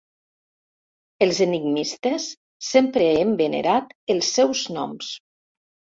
Els enigmistes sempre hem venerat els seus noms.